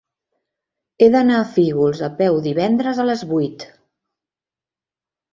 He d'anar a Fígols a peu divendres a les vuit.